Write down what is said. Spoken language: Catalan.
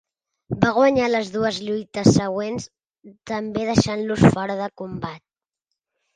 Va guanyar les dues lluites següents, també deixant-los fora de combat.